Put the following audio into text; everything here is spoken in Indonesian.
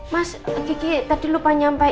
mas kiki tadi lupa nyampe